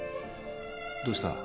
どうした？